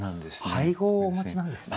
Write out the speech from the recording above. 俳号をお持ちなんですね。